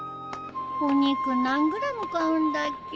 お肉何ｇ買うんだっけ？